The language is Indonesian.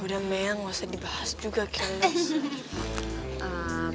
udah meyang ga usah dibahas juga kayaknya